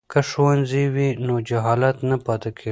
که ښوونځی وي نو جهالت نه پاتیږي.